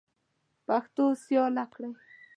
پښتو سیاله کړئ.